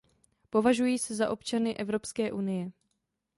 Považují se za občany Evropské unie.